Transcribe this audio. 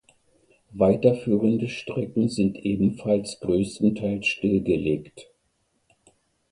Weiterführende Strecken sind ebenfalls größtenteils stillgelegt.